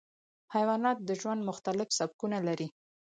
حیوانات د ژوند مختلف سبکونه لري.